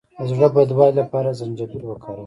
د زړه بدوالي لپاره زنجبیل وکاروئ